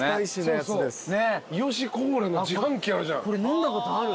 これ飲んだことある。